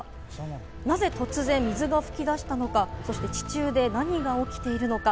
なぜ突然、水が噴き出したのか、そして地中で何が起きているのか？